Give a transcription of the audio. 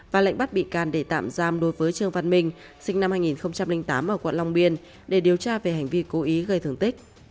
và lệnh bắt bị can để tạm giam đối với trương văn minh sinh năm hai nghìn tám ở quận long biên để điều tra về hành vi cố ý gây thương tích